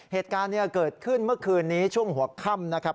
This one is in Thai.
เหตุการณ์เกิดขึ้นเมื่อคืนนี้ช่วงหัวค่ำนะครับ